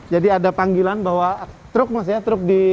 jadi ada panggilan bahwa truk